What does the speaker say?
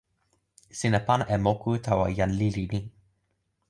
sina pana e moku tawa jan lili ni.